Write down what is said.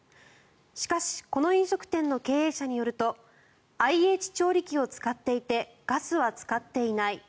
しかしこの飲食店の経営者によるとＩＨ調理器を使っていてガスは使っていない。